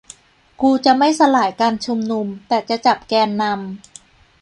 กูจะไม่สลายการชุมนุม แต่จะจับแกนนำ